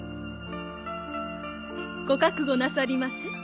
ご覚悟なさりませ。